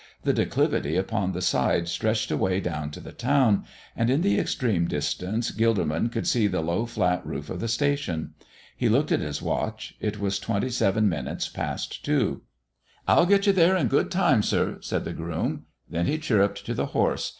The declivity upon the side stretched away down to the town, and in the extreme distance Gilderman could see the low, flat roof of the station. He looked at his watch; it was twenty seven minutes past two. "I'll get you there in good time, sir," said the groom. Then he chirruped to the horse.